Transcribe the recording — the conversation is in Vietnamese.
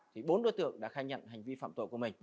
thì bốn đối tượng đã khai nhận hành vi phạm tội của mình